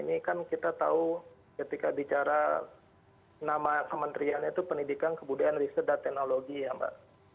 ini kan kita tahu ketika bicara nama kementeriannya itu pendidikan kebudayaan riset dan teknologi ya mbak